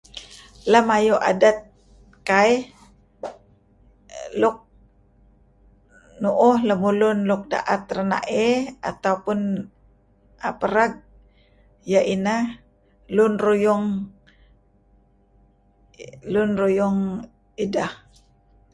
Lem ayu' adet kai nuk nuuh lemulun nuk daet renaey ataupun nuk pareg iah inh lun ruyung, lun ruyung ideh